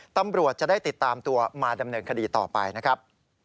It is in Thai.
ตำรวจจะได้ติดตามตัวมาดำเนินคดีต่อไปนะครับ